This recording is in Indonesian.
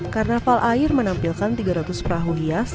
karnaval air menampilkan tiga ratus perahu hias